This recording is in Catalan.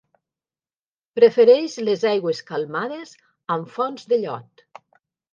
Prefereix les aigües calmades amb fons de llot.